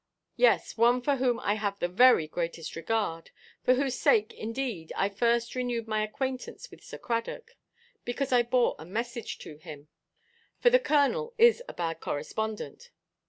"Yes, one for whom I have the very greatest regard. For whose sake, indeed, I first renewed my acquaintance with Sir Cradock, because I bore a message to him; for the Colonel is a bad correspondent."